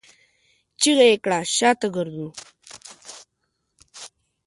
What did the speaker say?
چيغه يې کړه! شاته ګرځو!